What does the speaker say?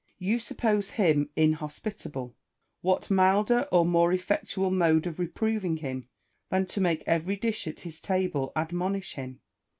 You suppose him inhospitable : what milder or more effectual mode of reproving him, than to make every dish at his table ad monish him